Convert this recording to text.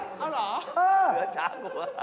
เอ้าเหรอเสือจากลัว